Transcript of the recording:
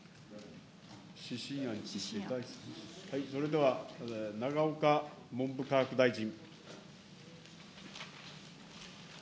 それでは永岡文部科学大臣。